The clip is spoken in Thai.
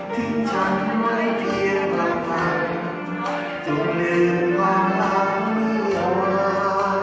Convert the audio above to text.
ที่ฉันไม่เพียงคำถามจะลืมความต้องเหลือมา